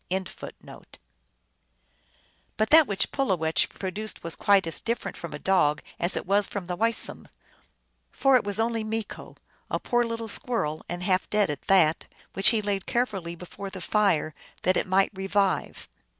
1 But that which Pulowech produced was quite as different from a dog as was the Weisum ; for it was only Meeko, a poor little squirrel, and half dead at that, which he laid carefully before the fire that it might revive.